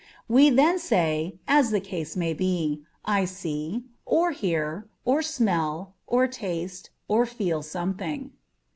We then say, as the case may be, I see, or hear, or smell, or taste, or feel something.